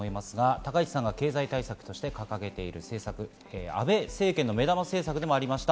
高市さんが経済対策として掲げている政策、安倍政権の目玉政策でもありました